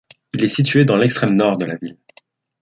Il est situé dans l’extrême Nord de la ville.